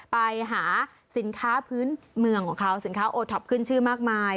ไปหาสินค้าพื้นเมืองของเขาสินค้าโอท็อปขึ้นชื่อมากมาย